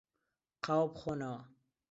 قاوە بخۆنەوە.